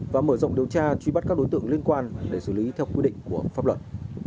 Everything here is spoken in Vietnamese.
và mở rộng điều tra truy bắt các đối tượng liên quan để xử lý theo quy định của pháp luật